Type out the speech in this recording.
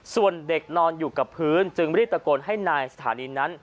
ส่วนเด็กนอนอยู่กับพื้นจึงรีบตะโกนให้นายสถานีนั้น